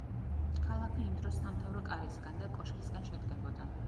ქალაქი იმ დროს სამთავრო კარისგან და კოშკისგან შედგებოდა.